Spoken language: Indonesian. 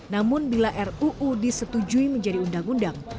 namun bila ruu disetujui menjadi undang undang